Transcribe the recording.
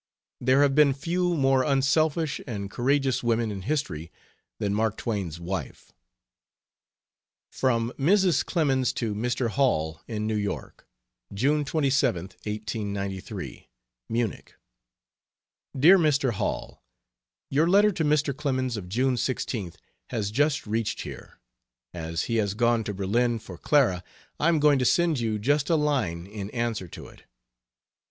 There have been few more unselfish and courageous women in history than Mark Twain's wife. From Mrs. Clemens to Mr. Hall, in New York: June 27th 1893 MUNICH. DEAR MR. HALL, Your letter to Mr. Clemens of June 16th has just reached here; as he has gone to Berlin for Clara I am going to send you just a line in answer to it.